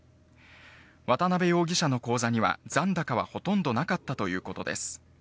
渡辺容疑者の口座には残高はほとんどなかったということです。